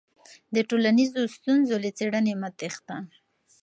د ټولنیزو ستونزو له څېړنې مه تېښته.